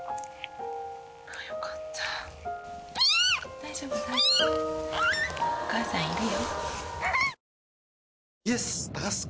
大丈夫お母さんいるよ。